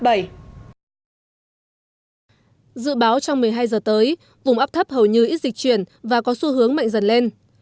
dự báo trong một mươi hai giờ tới vùng áp thấp hầu như ít dịch chuyển và có xu hướng mạnh dần lên